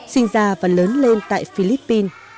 sinh ra và lớn lên tại philippines